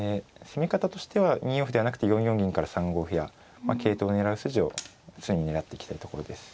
攻め方としては２四歩ではなくて４四銀から３五歩や桂頭を狙う筋を常に狙っていきたいところです。